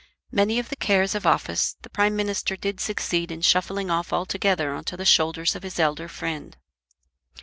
Many of the cares of office the Prime Minister did succeed in shuffling off altogether on to the shoulders of his elder friend.